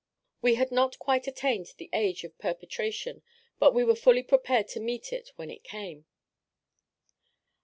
We had not quite attained the age of perpetration, but we were fully prepared to meet it when it came.